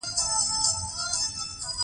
له آسمان څخه څه راته رسېږي.